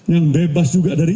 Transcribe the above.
yang bebas juga dari